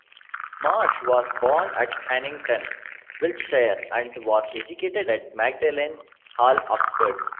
Marsh was born at Hannington, Wiltshire and was educated at Magdalen Hall, Oxford.